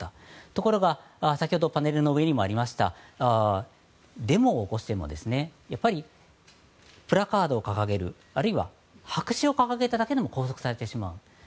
ところが、先ほどもありましたがデモを起こしてもやっぱり、プラカードを掲げるあるいは白紙を掲げただけでも拘束されてしまう。